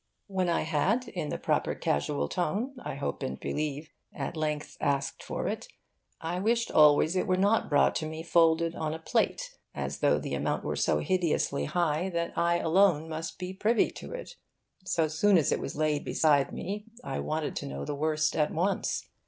When I had, in the proper casual tone (I hope and believe), at length asked for it, I wished always it were not brought to me folded on a plate, as though the amount were so hideously high that I alone must be privy to it. So soon as it was laid beside me, I wanted to know the worst at once.